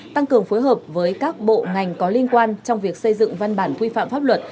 tăng cường phối hợp với các bộ ngành có liên quan trong việc xây dựng văn bản quy phạm pháp luật